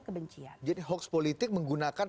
kebencian jadi hoax politik menggunakan